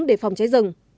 để phòng cháy rừng